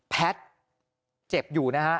แพทย์เจ็บอยู่นะฮะ